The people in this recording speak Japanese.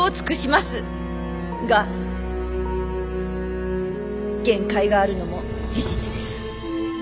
が限界があるのも事実です。